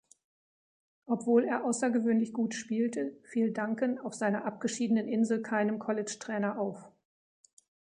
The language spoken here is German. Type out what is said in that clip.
Obwohl er außergewöhnlich gut spielte, fiel Duncan auf seiner abgeschiedenen Insel keinem College-Trainer auf.